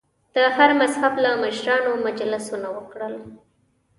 د هر مذهب له مشرانو مجلسونه وکړل.